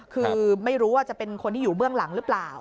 คือไม่รู้ว่าจะเป็นคนที่อยู่เบื้องหลังหรือเปล่า